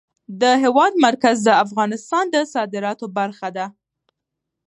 د هېواد مرکز د افغانستان د صادراتو برخه ده.